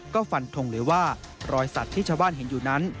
ก็ฟันทงเลยว่ารอยสัตว์ที่ชาวบ้านเห็นอยู่นั้น